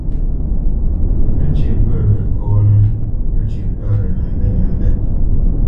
Wécyə̌ pə́ we kɔ́nə́, wécyə̌ pə́ we məmbêt məmbêt.